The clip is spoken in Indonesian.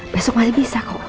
besok masih bisa kok